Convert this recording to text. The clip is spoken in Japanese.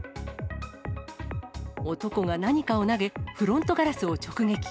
男が何かを投げ、フロントガラスを直撃。